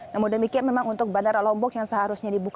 namun demikian memang untuk bandara lombok yang seharusnya dibuka